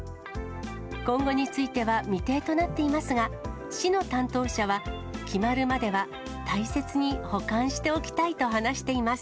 今後については未定となっていますが、市の担当者は、決まるまでは大切に保管しておきたいと話しています。